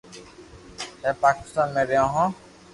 ھمي پاڪستان مي رھيو ھون